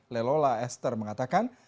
lelola esther mengatakan